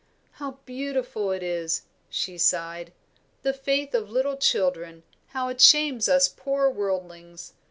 "How beautiful it is!" she sighed. "The faith of little children, how it shames us poor worldlings!"